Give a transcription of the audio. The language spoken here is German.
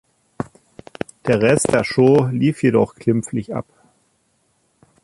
Der Rest der Show lief jedoch glimpflich ab.